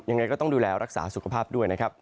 ยังไงก็ต้องดูแลรักษาสุขภาพด้วยนะครับ